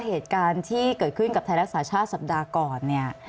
เหตุการณ์ที่เกิดขึ้นกับไทยรักษาชาติสัปดาห์ก่อนเนี่ย